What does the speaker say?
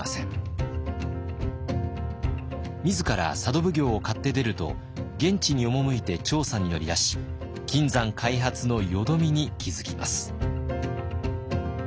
自ら佐渡奉行を買って出ると現地に赴いて調査に乗り出し金山開発の淀みに気付きます。